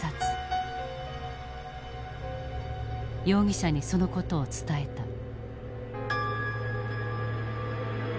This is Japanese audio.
容疑者にその事を伝えた。